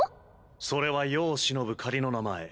それは世を忍ぶ仮の名前。